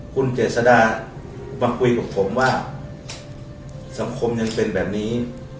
คุณเจษดามาคุยกับผมว่าสังคมยังเป็นแบบนี้